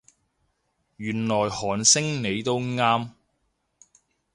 原來韓星你都啱